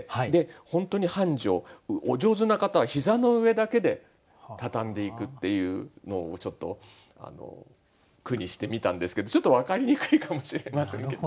本当に半畳お上手な方は膝の上だけでたたんでいくっていうのをちょっと句にしてみたんですけどちょっと分かりにくいかもしれませんけど。